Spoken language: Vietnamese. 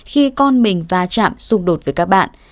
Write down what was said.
khi con mình va chạm xung đột với các bạn